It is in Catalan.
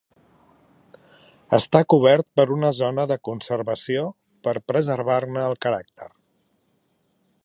Està cobert per una zona de conservació per preservar-ne el caràcter.